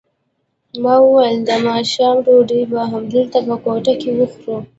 ما وویل د ماښام ډوډۍ به همدلته په کوټه کې وخورو.